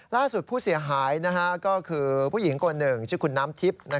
ล่าสุดผู้เสียหายก็คือผู้หญิงคนหนึ่งชื่อคุณน้ำทิพย์